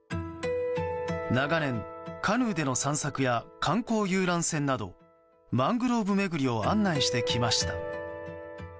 長年、カヌーでの散策や観光遊覧船などマングローブ巡りを案内してきました。